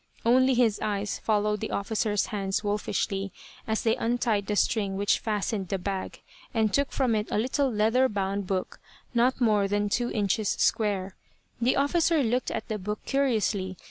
Only his eyes followed the officer's hands wolfishly, as they untied the string which fastened the bag, and took from it a little leather bound book not more than two inches square. The officer looked at the book curiously.